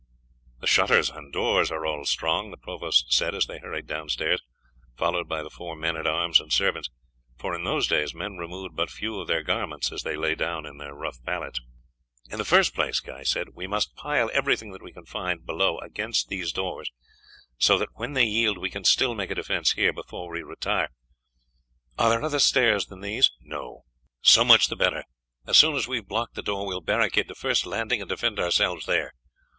"The shutters and doors are all strong," the provost said as they hurried downstairs, followed by the four men at arms and the servants for in those days men removed but few of their garments as they lay down on their rough pallets. "In the first place," Guy said, "we must pile everything that we can find below against these doors, so that when they yield we can still make a defence here, before we retire. Are there other stairs than these?" "No." "So much the better. As soon as we have blocked the door we will barricade the first landing and defend ourselves there.